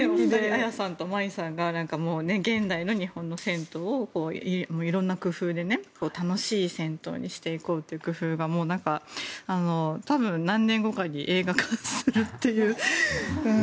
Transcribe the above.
彩さんと舞さんが現代の日本の銭湯を色んな工夫で楽しい銭湯にしていこうというのが多分、何年後かに映画化するっていう。